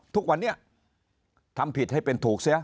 ทุกวันนี้ทำผิดให้เป็นถูกเสีย